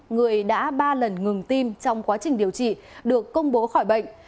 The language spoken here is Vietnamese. người đã ba lần ngừng tim trong quá trình điều trị được công bố khỏi bệnh